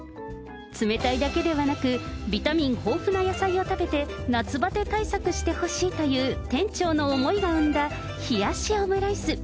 冷たいだけではなく、ビタミン豊富な野菜を食べて、夏バテ対策してほしいという店長の思いが生んだ冷やしオムライス。